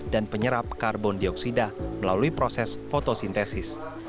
dan penyerap karbon dioksida melalui proses fotosintesis